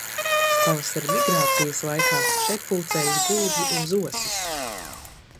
Pavasara migrācijas laikā šeit pulcējas gulbji un zosis.